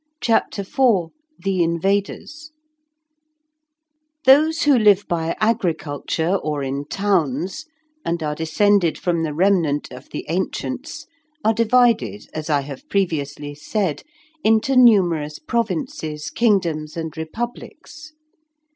CHAPTER IV THE INVADERS Those who live by agriculture or in towns, and are descended from the remnant of the ancients, are divided, as I have previously said, into numerous provinces, kingdoms, and republics.